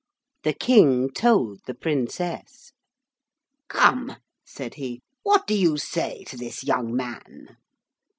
The King told the Princess. 'Come,' said he, 'what do you say to this young man?'